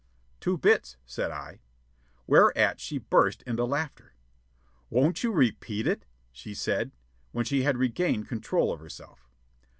"Two bits," said I. Whereat she burst into laughter. "Won't you repeat it?" she said, when she had regained control of herself.